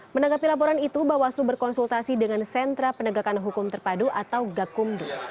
menanggapi laporan itu bawaslu berkonsultasi dengan sentra penegakan hukum terpadu atau gakumdu